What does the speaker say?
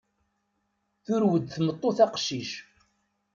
Turew-d tmeṭṭut aqcic.